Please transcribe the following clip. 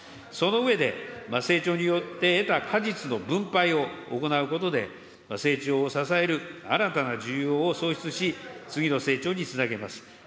その上で、成長によって得た果実の分配を行うことで、成長を支える新たな需要を創出し、次の成長に繋げます。